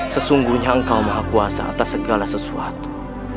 sesungguhnya engkau maha kuasa atas segala sesuatu